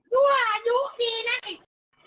ดั่วยุคดีน่ะอีก